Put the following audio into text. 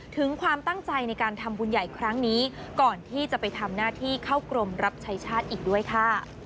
ถึงความตั้งใจในการทำบุญใหญ่ครั้งนี้ก่อนที่จะไปทำหน้าที่เข้ากรมรับใช้ชาติอีกด้วยค่ะ